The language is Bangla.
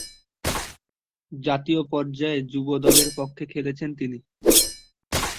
জাতীয় পর্যায়ে যুব দলের পক্ষে খেলেছেন তিনি।